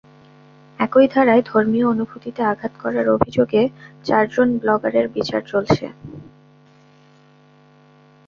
একই ধারায় ধর্মীয় অনুভূতিতে আঘাত করার অভিযোগে চারজন ব্লগারের বিচার চলছে।